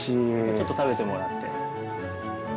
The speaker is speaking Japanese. ちょっと食べてもらって。